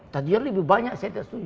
tadi lebih banyak setuju